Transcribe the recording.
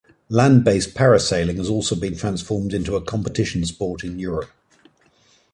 Land-based parasailing has also been transformed into a competition sport in Europe.